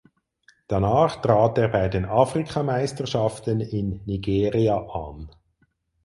Danach trat er bei den Afrikameisterschaften in Nigeria an.